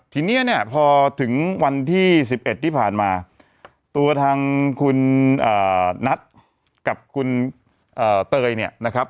ทีนี้เนี่ยพอถึงวันที่๑๑ที่ผ่านมาตัวทางคุณนัทกับคุณเตยเนี่ยนะครับ